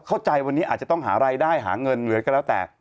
เข้าใจวันนี้อาจจะต้องหารายได้หาเงินเหลือก็แล้วแต่